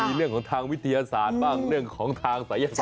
มีเรื่องของทางวิทยาศาสตร์บ้างเรื่องของทางศัยศาส